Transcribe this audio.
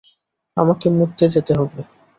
আমাকে মুততে যেতে হবে।